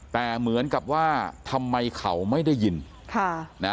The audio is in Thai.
แต่เหมือนกับว่าทำไมเขาไม่ได้ยินค่ะนะ